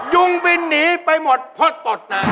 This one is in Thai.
ยุงบินหนีไปหมดพลดนาง